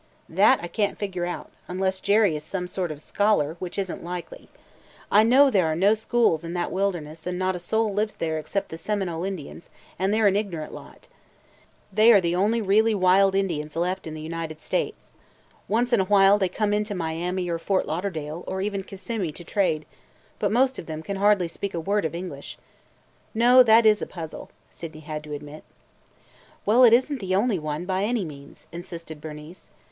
"That I can't figure out, unless Jerry is some sort of a scholar, which is n't likely. I know there are no schools in that wilderness and not a soul lives there except the Seminole Indians; and they 're an ignorant lot. They are the only really wild Indians left in the United States. Once in a while they come in to Miami or Fort Lauderdale or even Kissimee to trade, but most of them can hardly speak a word of English. No, that is a puzzle!" Sydney had to admit. "Well, it is n't the only one by any means," insisted Bernice.